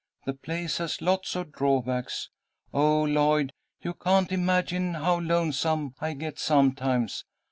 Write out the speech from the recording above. The place has lots of drawbacks. Oh, Lloyd, you can't imagine how lonesome I get sometimes.